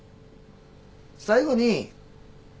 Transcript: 最後に。